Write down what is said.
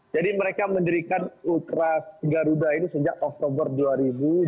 jadi mereka mendirikan utra garuda ini sejak oktober dua ribu dua puluh tiga